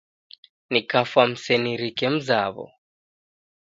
Nikafwa msenirike mzaw'o.